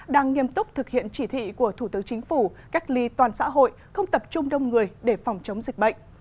đang nghiêm túc thực hiện chỉ thị của thủ tướng chính phủ cách ly toàn xã hội không tập trung đông người để phòng chống dịch bệnh